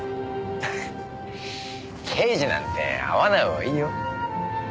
刑事なんて会わないほうがいいよ。